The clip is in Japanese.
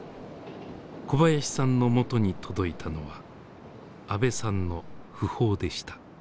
小林さんのもとに届いたのは阿部さんの訃報でした。